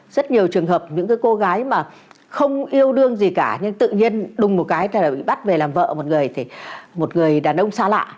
rất nhiều trường hợp những cái cô gái mà không yêu đương gì cả nhưng tự nhiên đùng một cái là bị bắt về làm vợ một người thì một người đàn ông xa lạ